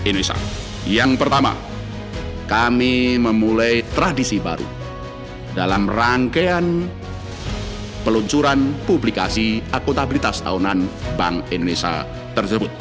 indonesia yang pertama kami memulai tradisi baru dalam rangkaian peluncuran publikasi akutabilitas tahunan bank indonesia tersebut